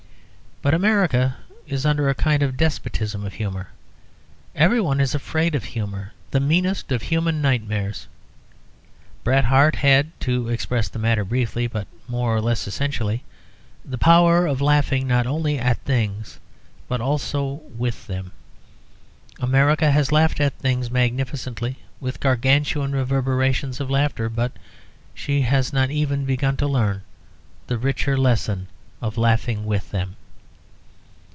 But America is under a kind of despotism of humour. Everyone is afraid of humour: the meanest of human nightmares. Bret Harte had, to express the matter briefly but more or less essentially, the power of laughing not only at things, but also with them. America has laughed at things magnificently, with Gargantuan reverberations of laughter. But she has not even begun to learn the richer lesson of laughing with them.